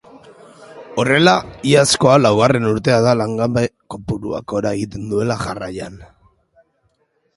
Horrela, iazkoa laugarren urtea da langabe kopuruak gora egiten duela jarraian.